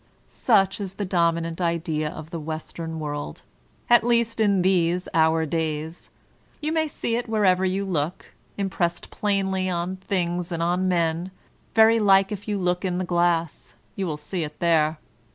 Such is the dominant idea of the western world, at The Dominant Idea 89 least in these our days. You may see it wherever you look, impressed plainly on things and on men ; very likely, if you look in the glass, you will see it there.